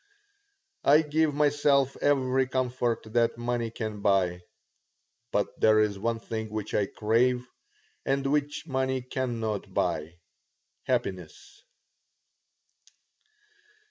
I give myself every comfort that money can buy. But there is one thing which I crave and which money cannot buy happiness.